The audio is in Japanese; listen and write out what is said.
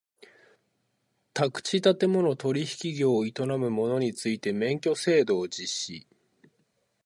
宅地建物取引業を営む者について免許制度を実施